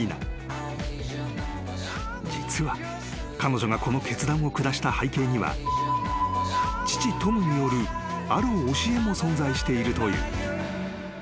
［実は彼女がこの決断を下した背景には父トムによるある教えも存在しているという］